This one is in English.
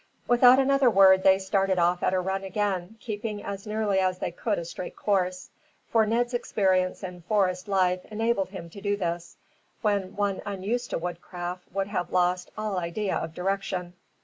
Without another word they started off at a run again, keeping as nearly as they could a straight course; for Ned's experience in forest life enabled him to do this, when one unused to woodcraft would have lost all idea of direction.